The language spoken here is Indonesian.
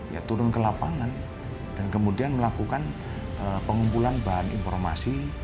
ya turun ke lapangan dan kemudian melakukan pengumpulan bahan informasi